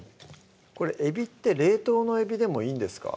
これえびって冷凍のえびでもいいんですか？